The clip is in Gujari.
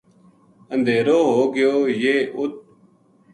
اندھیرو ہو گیو یہ اُ